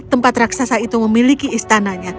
tempat raksasa itu memiliki istananya